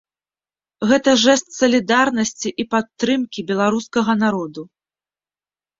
Гэта жэст салідарнасці і падтрымкі беларускага народу.